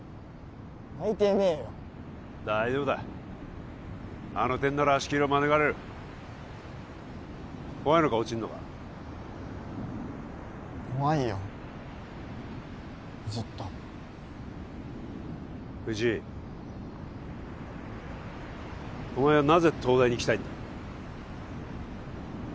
泣いてねえよ大丈夫だあの点なら足切りは免れる怖いのか落ちるのが怖いよずっと藤井お前はなぜ東大に行きたいんだ